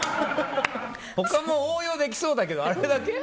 他も応用できそうだけどあれだけ？